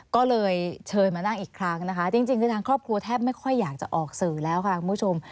ก็เลยเชิญมานั่งอีกครั้งนะคะจริงคือทางครอบครัวแทบไม่ค่อยอยากจะออกสื่อแล้วค่ะคุณผู้ชม